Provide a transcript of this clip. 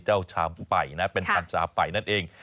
เจ้าชาไป่นะเป็นหันชาไป่นั่นเอง